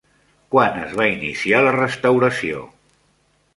Quan es va iniciar la restauració?